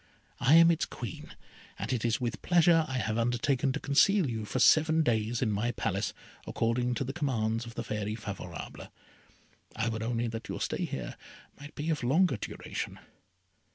I am its Queen, and it is with pleasure I have undertaken to conceal you for seven days in my Palace, according to the commands of the Fairy Favourable. I would only that your stay here might be of longer duration."